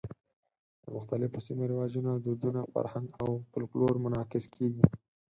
د مختلفو سیمو رواجونه، دودونه، فرهنګ او فولکلور منعکس کېږي.